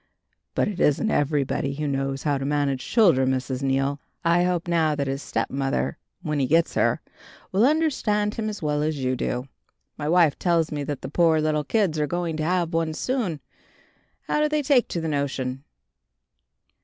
"But it isn't everybody who knows how to manage children, Mrs. Neal. I hope now that his stepmother when he gets her, will understand him as well as you do. My wife tells me that the poor little kids are going to have one soon. How do they take to the notion?"